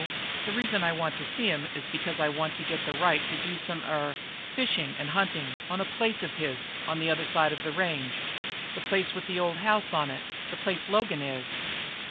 The reason I want to see him is because I want to get the right to do some er fishing and hunting on a place of his on the other side of the range." "The place with the old house on it; the place Logan is?"